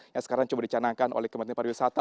yang sekarang coba dicanangkan oleh kementerian pariwisata